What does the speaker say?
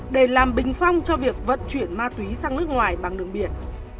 để làm bình phong cho việc vận chuyển ma túy sang nước ngoài bằng đường biển